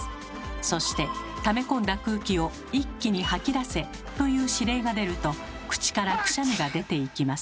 そして「ため込んだ空気を一気に吐き出せ！」という指令が出ると口からくしゃみが出ていきます。